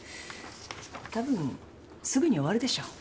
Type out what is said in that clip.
多分すぐに終わるでしょう。